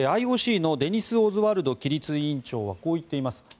ＩＯＣのデニス・オズワルド規律委員長はこう言っています。